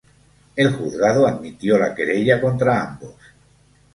El Juzgado admitió la querella contra ambos.